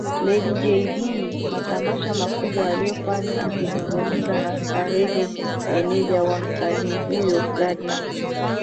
Lady Jay Dee Matamasha makubwa aliyofanya Akizungumza na Starehe meneja wa msanii huyo Gadna